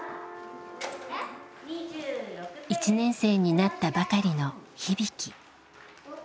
１年生になったばかりの日々貴。